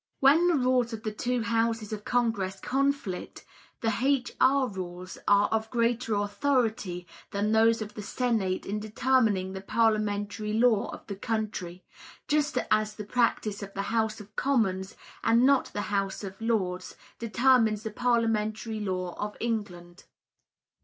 When the rules of the two Houses of Congress conflict, the H. R. rules are of greater authority than those of the Senate in determining the parliamentary law of the country, just as the practice of the House of Commons, and not the House of Lords, determines the parliamentary law of England.